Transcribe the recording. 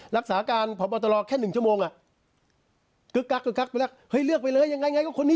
รักษาการผอบอตรแค่๑ชั่วโมงอ่ะเลือกไปเลยยังไงยังคนนี้